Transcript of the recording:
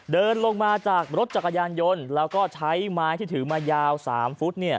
เดินลงมาจากรถจักรยานยนต์แล้วก็ใช้ไม้ที่ถือมายาว๓ฟุต